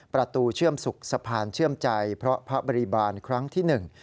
เชื่อมสุขสะพานเชื่อมใจเพราะพระบริบาลครั้งที่หนึ่ง